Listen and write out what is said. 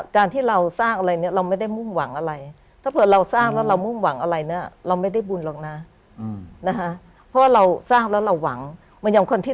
คุณซูซี่คุณซูซี่คุณซูซี่คุณซูซี่คุณซูซี่คุณซูซี่